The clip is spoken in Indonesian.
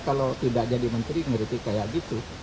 kalau tidak jadi menteri ngerti kayak gitu